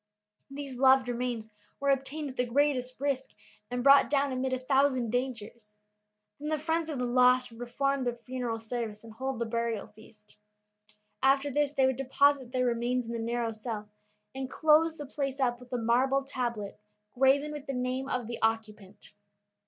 These loved remains were obtained at the greatest risk, and brought down amid a thousand dangers. Then the friends of the lost would perform the funeral service and hold the burial feast. After this they would deposit their remains in the narrow cell, and close the place up with a marble tablet graven with the name of the occupant.